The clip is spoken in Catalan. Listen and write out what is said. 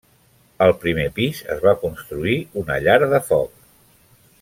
Al primer pis es va construir una llar de foc.